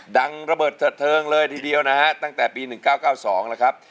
ดังระเบิดเถิงเลยทีเดียวนะฮะตั้งแต่ปี๑๙๙๒แล้วครับ